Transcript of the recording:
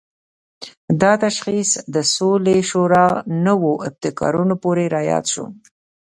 دا تشخیص د سولې شورا نوو ابتکارونو پورې راياد شو.